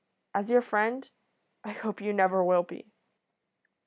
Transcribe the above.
As your friend, I hope you never will be."